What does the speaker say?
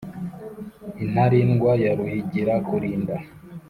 Intarindwa ya ruhigira kurinda,